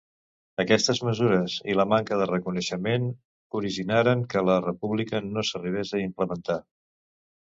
Aquestes mesures i la manca de reconeixement originaren que la República no s'arribés a implementar.